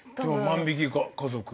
『万引き家族』とか。